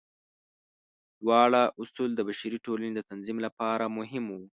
دواړه اصول د بشري ټولنې د تنظیم لپاره مهم وو.